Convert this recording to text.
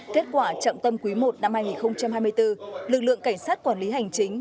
kết quả trọng tâm quý i năm hai nghìn hai mươi bốn lực lượng cảnh sát quản lý hành chính